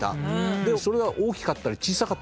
それは大きかったり小さかったりする。